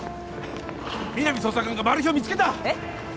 皆実捜査官がマル被を見つけたえっ！？